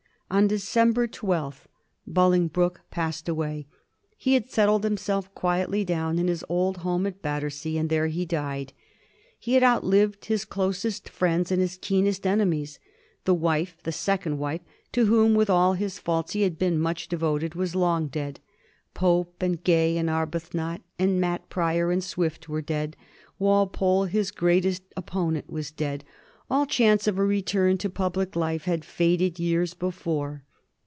On December 12th Bolingbroke passed away. He had settled himself quietly down in his old home at Bat tersea, and there he died. He had outlived his closest friends and his keenest enemies. The wife — the second wife — to whom, with all his faults, he had been much de voted — was long dead. Pope and Gay, and Arbuthnot, and " Matt " Prior and Swift were dead. Walpole, his great opponent, was dead. All chance of a return to public life had faded years before.